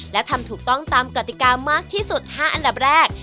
และทำถูกต้องตามกติกามากที่สุด๕อันดับแรก